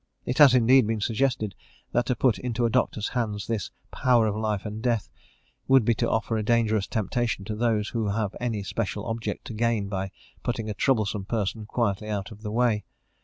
It has, indeed, been suggested that to put into a doctor's hands this "power of life and death," would be to offer a dangerous temptation to those who have any special object to gain by putting a troublesome person quietly out of the way.